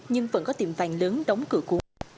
nhưng vẫn có tiệm vàng lớn đóng cửa